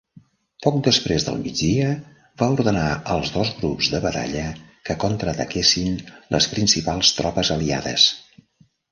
Poc després del migdia, va ordenar als dos grups de batalla que contraataquessin les principals tropes aliades.